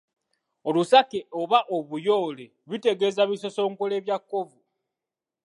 Olusake oba obuyoole bitegeeza bisosonkole bya kkovu.